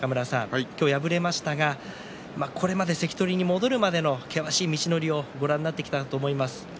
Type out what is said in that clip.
今日敗れましたがこれまで関取に戻るまでの厳しい道のりをご覧になってきたと思います。